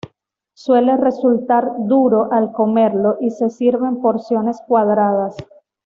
Suele resultar duro al comerlo, y se sirve en porciones cuadradas.